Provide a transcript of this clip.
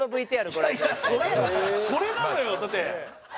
それそれなのよだって。